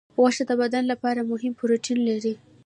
غوښه د بدن لپاره مهم پروټین لري.